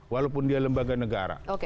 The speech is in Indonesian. walaupun dia lembaga negara